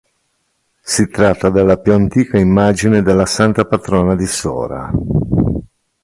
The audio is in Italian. Si tratta della più antica immagine della santa patrona di Sora.